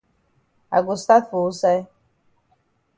I go stat for wusaid?